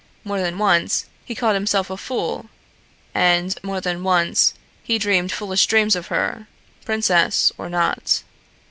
More than once he called himself a fool and more than once he dreamed foolish dreams of her princess or not.